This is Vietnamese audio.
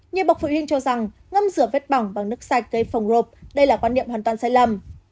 nhiều bậc phụ huynh cho rằng ngâm rửa vết bỏng bằng nước sạch gây phồng rộp đây là quan niệm hoàn toàn sai lầm